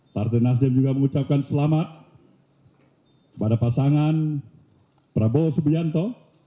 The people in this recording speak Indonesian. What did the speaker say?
partai nasdem juga mengucapkan selamat pada pasangan prabowo subianto